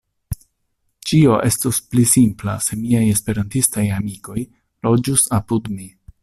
Ĉio estus pli simpla se miaj Esperantistaj amikoj loĝus apud mi.